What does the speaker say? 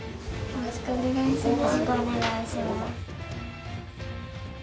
よろしくお願いします。